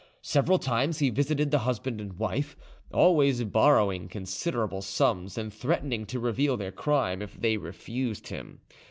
Several times he visited the husband and wife, always borrowing considerable sums, and threatening to reveal their crime if they refused him.